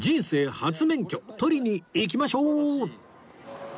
初免許取りに行きましょう！